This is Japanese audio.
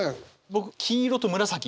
僕黄色と紫。